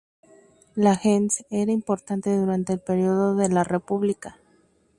La "gens" era importante durante el periodo de la República.